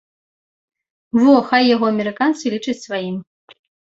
Во хай яго амерыканцы лічаць сваім.